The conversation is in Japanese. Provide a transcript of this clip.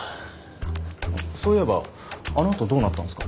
そういえばあのあとどうなったんですか？